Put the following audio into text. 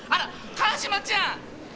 川島ちゃん！